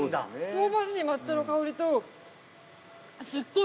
香ばしい抹茶の香りとすっごい